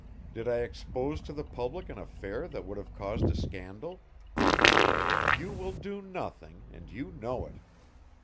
Did I expose to the public an affair that would have caused a scandal? You will do nothing and you know it.